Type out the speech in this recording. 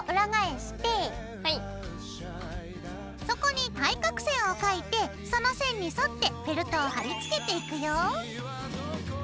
そこに対角線を描いてその線に沿ってフェルトを貼り付けていくよ。